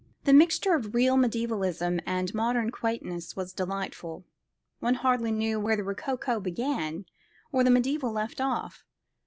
The mixture of real medievalism and modern quaintness was delightful. One hardly knew where the rococo began or the mediaeval left off.